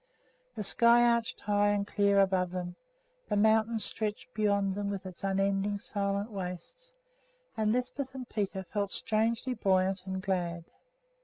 The sky arched high and clear above them, the mountain stretched beyond them with its unending, silent wastes; and Lisbeth and Peter felt strangely buoyant and glad.